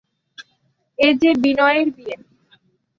এ যে বিনয়ের বিয়ে।